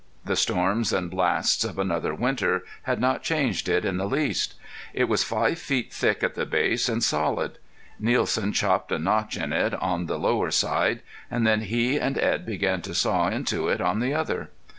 The storms and blasts of another winter had not changed it in the least. It was five feet thick at the base and solid. Nielsen chopped a notch in it on the lower side, and then he and Edd began to saw into it on the other.